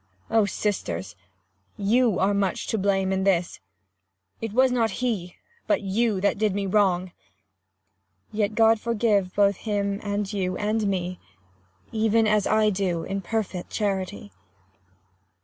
Oh, sisters ! you are much to blame in this, It was not he, but you that did me wrong : Yet God forgive both him, and you, and me ; Even as I do in perfit charity.